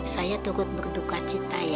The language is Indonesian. saya turut berduka cita ya